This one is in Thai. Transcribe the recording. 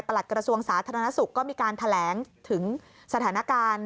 หลักกระทรวงสาธารณสุขก็มีการแถลงถึงสถานการณ์